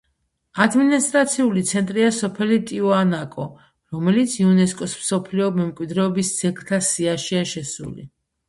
ადმინისტრაციული ცენტრია სოფელი ტიუანაკო, რომელიც იუნესკოს მსოფლიო მემკვიდრეობის ძეგლთა სიაშია შესული.